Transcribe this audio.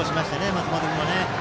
松本君も。